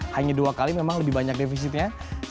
hanya dua kali memang lebih banyak defisitnya